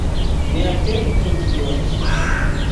Neatentu tion ĉi.